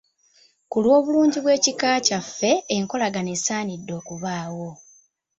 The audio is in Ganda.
Ku lw'obulungi bw'ekika kyaffe, enkolagana esaanidde okubaawo.